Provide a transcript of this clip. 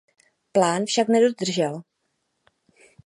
Plán však nedodržel.